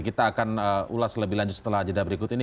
kita akan ulas lebih lanjut setelah jeda berikut ini